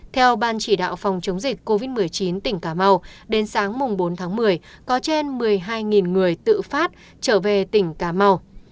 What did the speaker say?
theo ban chỉ đạo phòng chống dịch covid một mươi chín tỉnh cà mau đến sáng bốn tháng một mươi có trên một mươi hai người tự phát trở về tỉnh cà mau